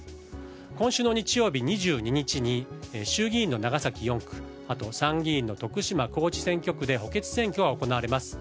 今週の日曜日、２２日に衆議院の長崎４区あと参議院の徳島・高知選挙区で補欠選挙が行われます。